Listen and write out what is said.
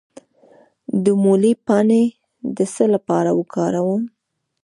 د مولی پاڼې د څه لپاره وکاروم؟